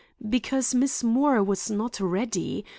Because Miss Moore was not ready.